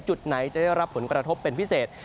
จุดไหนจะได้รับผลกระทบเป็นพิเศษ